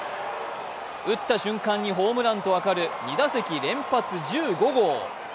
打った瞬間にホームランと分かる２打席連発１５号。